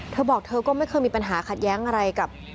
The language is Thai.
เธอบอกเธอก็ไม่เคยมีปัญหาขัดแย้งอะไรกับ